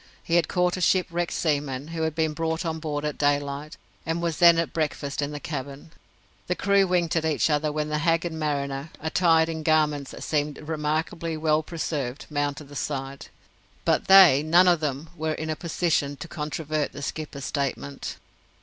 He had caught a shipwrecked seaman, who had been brought on board at daylight, and was then at breakfast in the cabin. The crew winked at each other when the haggard mariner, attired in garments that seemed remarkably well preserved, mounted the side. But they, none of them, were in a position to controvert the skipper's statement.